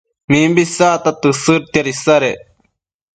mimbi isacta tësëdtiad isadec